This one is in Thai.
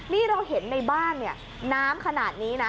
นี่เราเห็นในบ้านเนี่ยน้ำขนาดนี้นะ